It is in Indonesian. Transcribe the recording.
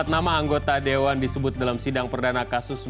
dua puluh empat nama anggota dewan disebut dalam sidang perdana kasus mega korupsi